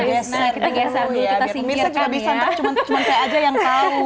biasanya kita bisa antar cuma saya aja yang tahu